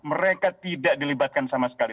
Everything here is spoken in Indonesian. mereka tidak dilibatkan sama sekali